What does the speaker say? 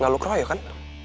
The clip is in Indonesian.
gak lo keroyok kan